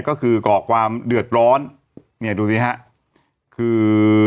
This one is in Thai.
ก็คือก่อความเดือดร้อนเนี่ยดูสิฮะคือ